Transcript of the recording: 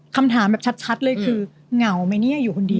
คำถามแบบชัดเลยคือเหงาไหมเนี่ยอยู่คนเดียว